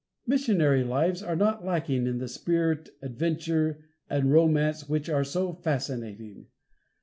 Missionary lives are not lacking in the spirit, adventure and romance which are so fascinating.